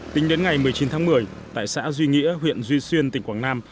tính đến ngày một mươi chín tháng một mươi tại xã duy nghĩa huyện duy xuyên tỉnh quảng nam